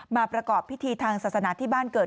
ประกอบพิธีทางศาสนาที่บ้านเกิด